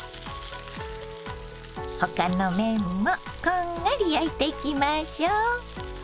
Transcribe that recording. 他の面もこんがり焼いていきましょう。